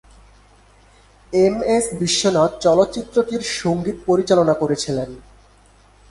M S Viswanath চলচ্চিত্রটির সঙ্গীত পরিচালনা করেছিলেন।